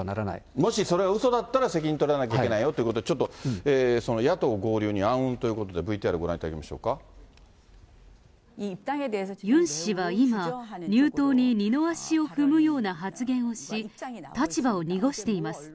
もしそれがうそだったら、責任取らなきゃいけないよということで、ちょっと、野党合流に暗雲ということで、ユン氏は今、入党に二の足を踏むような発言をし、立場を濁しています。